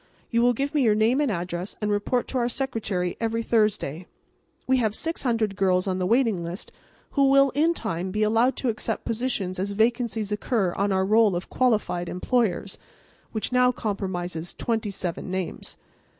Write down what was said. You will give me your name and address and report to our secretary every Thursday. We have 600 girls on the waiting list who will in time be allowed to accept positions as vacancies occur on our roll of Qualified Employers, which now comprises twenty seven names.